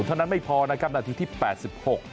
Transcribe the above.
เท่านั้นไม่พอนะครับนาทีที่๘๖